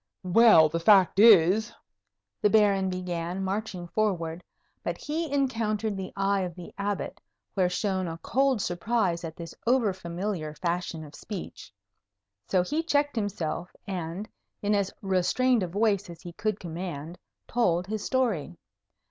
"Well, the fact is " the Baron began, marching forward; but he encountered the eye of the Abbot, where shone a cold surprise at this over familiar fashion of speech; so he checked himself, and, in as restrained a voice as he could command, told his story.